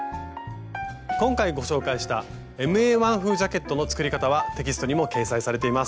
今回ご紹介したＭＡ−１風ジャケットの作り方はテキストにも掲載されています。